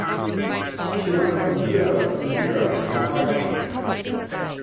She went from hero to zero in a heartbeat.